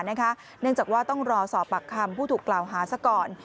เนื่องจากว่าต้องรอสอบปากคำผู้ถูกกล่าวหาซะก่อน